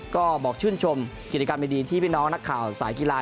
ก็บอกชื่นชมกิจกรรมดีที่พี่น้องนักข่าวสายกีฬา